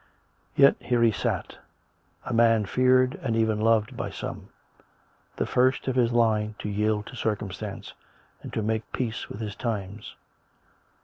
Yet here he sat — a man feared and even loved by some — the first of his line to yield to circumstance^ and to make 86 COME RACK! COME ROPE! peace with his? times.